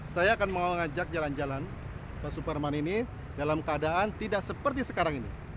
saya akan mengajak jalan jalan ke superman ini dalam keadaan tidak seperti sekarang ini